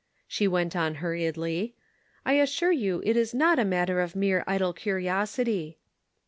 She went on hurriedly :" I assure you it is not a matter of mere idle curiosity."